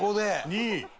２位。